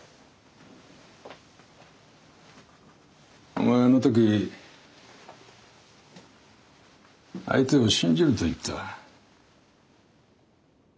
お前あの時「相手を信じる」と言った。